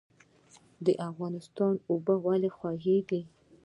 د افغانستان اوبه ولې خوږې دي؟